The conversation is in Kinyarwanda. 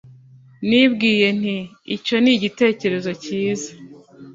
nibwiye nti icyo ni igitekerezo cyiza